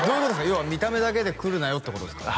要は見た目だけで来るなよってことですか？